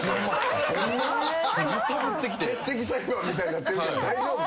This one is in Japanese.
欠席裁判みたいになってるけど大丈夫？